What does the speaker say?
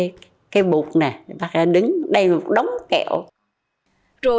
rồi sau khi đất nước thống nhất bác đã đứng đây một đống kẹo